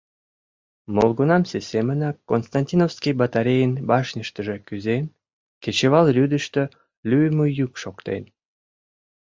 Молгунамсе семынак Константиновский батарейын башньыштыже кӱзен, кечывал рӱдыштӧ лӱйымӧ йӱк шоктен.